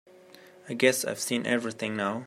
I guess I've seen everything now.